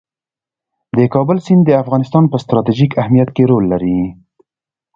د کابل سیند د افغانستان په ستراتیژیک اهمیت کې رول لري.